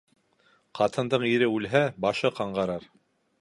Ҡатындың ире үлһә, башы ҡаңғырыр